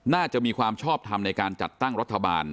น่าจะมีความชอบทำในการจัดตั้งรัฐบาล